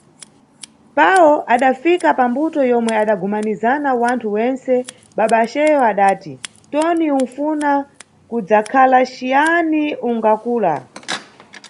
Pawo adafika pambuto yomwe adagumanizana wanthu wentse, babaceyo adati: Toni, unʼfuna kudzakhala ciyani ungakula?